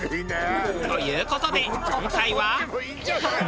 という事で今回は。